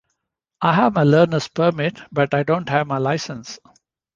I have my learner's permit, but I don't have my license.